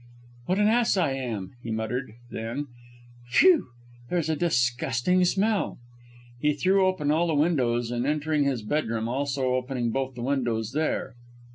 "What an ass I am!" he muttered; then, "Phew! there's a disgusting smell!" He threw open all the windows, and entering his bedroom, also opening both the windows there.